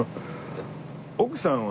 奥さんはね